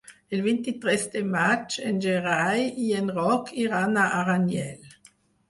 El vint-i-tres de maig en Gerai i en Roc iran a Aranyel.